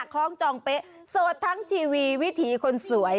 คล้องจองเป๊ะโสดทั้งทีวีวิถีคนสวย